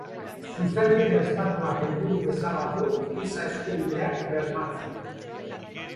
Zuzenbide Estatuak helburu bezala du Giza Eskubideak bermatzea.